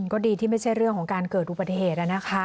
ก็ดีที่ไม่ใช่เรื่องของการเกิดอุบัติเหตุ